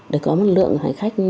để có mức lượng hành khách